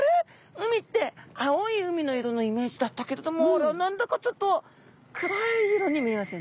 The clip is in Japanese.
海って青い海の色のイメージだったけれども何だかちょっと暗い色に見えますよね。